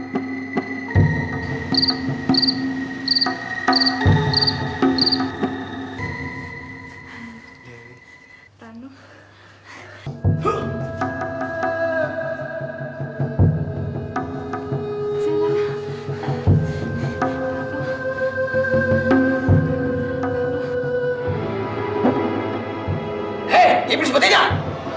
hei kemurus buat tidak